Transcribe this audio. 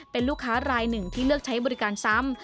เป็นลูกค้ารายหนึ่งที่เลือกใช้บริการซ้ำ